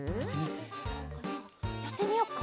やってみよっか。